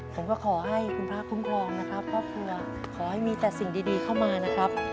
ขอให้คุณพระคุ้มครองนะครับครอบครัวขอให้มีแต่สิ่งดีเข้ามานะครับ